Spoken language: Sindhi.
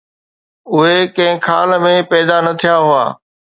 اهي ڪنهن خال ۾ پيدا نه ٿيا هئا.